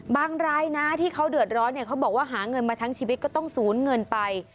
รายนะที่เขาเดือดร้อนเนี่ยเขาบอกว่าหาเงินมาทั้งชีวิตก็ต้องสูญเงินไป